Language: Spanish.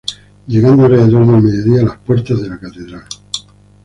Llegando alrededor del mediodía a las puertas de catedral.